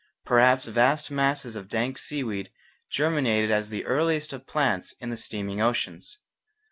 Perhaps vast masses of dank seaweed germinated as the earliest of plants in the steaming oceans.